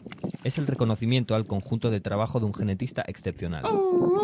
Es el reconocimiento al conjunto de trabajo de un genetista excepcional.